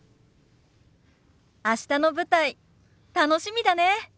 明日の舞台楽しみだね。